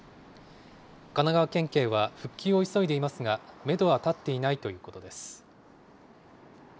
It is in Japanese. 神奈川県警は復帰を急いでいますが、メドは立っていないということです。